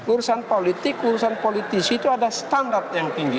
urusan politik urusan politisi itu ada standar yang tinggi